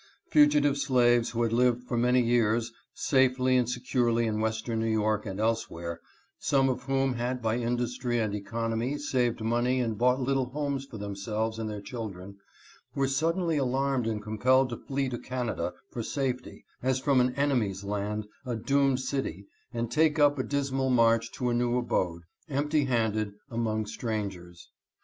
Fugitive slaves who had lived for many years safely and securely in western New York and elsewhere, some of whom had by industry and econo my saved money and bought little homes for themselves and their children, were suddenly alarmed and compelled to flee to Canada for safety as from an enemy's land — a doomed city — and take up a dismal march to a new abode, empty handed, among strangers.